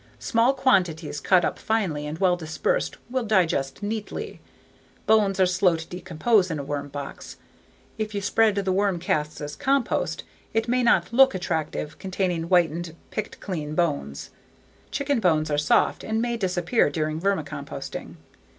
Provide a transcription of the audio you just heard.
Small quantities cut up finely and well dispersed will digest neatly. Bones are slow to decompose in a worm box. If you spread the worm casts as compost it may not look attractive containing whitened, picked clean bones. Chicken bones are soft and may disappear during vermicomposting.